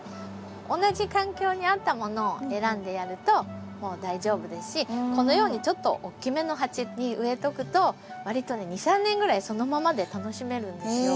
同じ環境に合ったものを選んでやると大丈夫ですしこのようにちょっと大きめの鉢に植えとくとわりとね２３年ぐらいそのままで楽しめるんですよ。